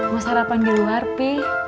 mau sarapan di luar p